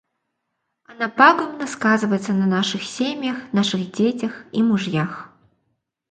Она пагубно сказывается на наших семьях, наших детях и мужьях.